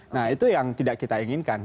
nah itu yang tidak kita inginkan